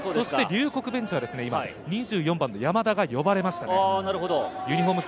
ベンチは２４番・山田が呼ばれましたね。